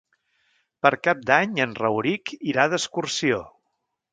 Per Cap d'Any en Rauric irà d'excursió.